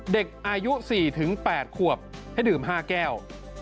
เด็กอายุ๔๘ขวบให้ดื่ม๕แก้ว